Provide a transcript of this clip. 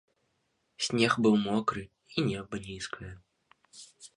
Снег быў мокры, і неба нізкае.